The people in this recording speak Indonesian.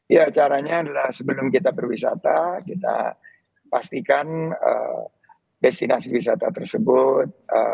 ya caranya adalah sebelum kita berwisata kita pastikan destinasi wisata tersebut